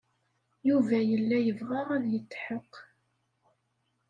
Yuba yella yebɣa ad yetḥeqq.